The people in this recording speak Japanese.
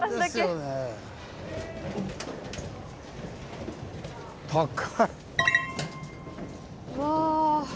うわ。